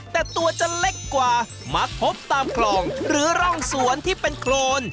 แต่ตัวจะเล็กกว่ามักพบตามคลองหรือร่องสวนที่เป็นโครน